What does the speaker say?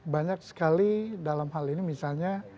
banyak sekali dalam hal ini misalnya